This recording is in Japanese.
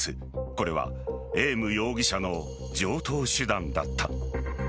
これはエーム容疑者の常とう手段だった。